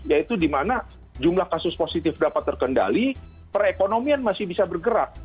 yaitu di mana jumlah kasus positif dapat terkendali perekonomian masih bisa bergerak